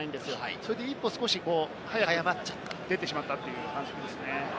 それで一歩早く出てしまったという感じですね。